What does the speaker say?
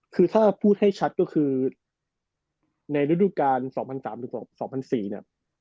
คือถ้าพูดให้ชัดก็คือในฤดูการ๒๐๐๓๒๐๐๔เนี่ย